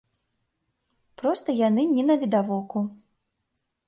Проста яны не навідавоку.